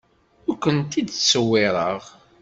Ur kent-id-ttṣewwireɣ.